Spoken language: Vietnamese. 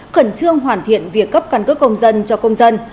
cẩn trương hoàn thiện việc cấp căn cứ công dân cho công dân